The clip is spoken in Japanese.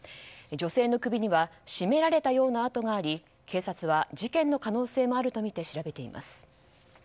女性の首には絞められたような痕があり警察は事件の可能性もあるとみて調べています。